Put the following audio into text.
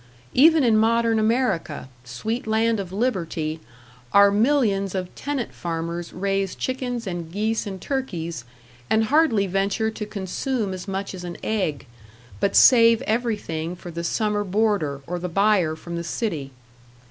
Even in modern America, sweet land of liberty, our millions of tenant farmers raise chickens and geese and turkeys, and hardly venture to consume as much as an egg, but save everything for the summer boarder or the buyer from the city.